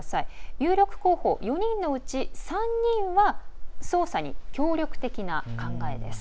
有力候補４人のうち３人は捜査に協力的な考えです。